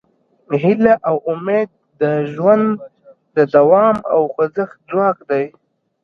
هیله او امید د ژوند د دوام او خوځښت ځواک دی.